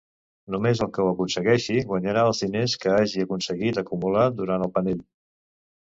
Només el que ho aconsegueixi guanyarà els diners que hagi aconseguit acumular durant el panell.